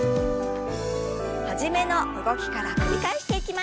初めの動きから繰り返していきましょう。